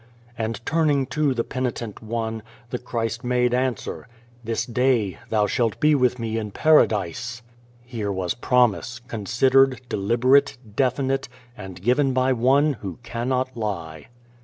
And, turning to the penitent one, the Christ made answer :" This day thou shalt be with Me in Paradise!" Here was promise, considered, deliberate, definite, and given by One who cannot lie.